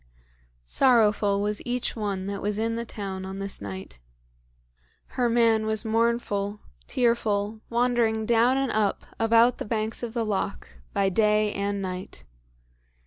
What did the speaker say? Sorrowful was each one that was in the town on this night. Her man was mournful, tearful, wandering down and up about the banks of the loch, by day and night.